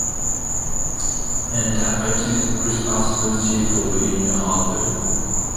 And that I took responsibility for being the author?